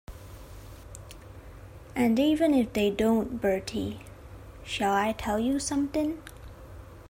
And even if they don't — Bertie, shall I tell you something?